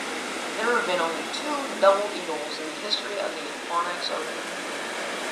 There have been only two double eagles in the history of the Phoenix Open.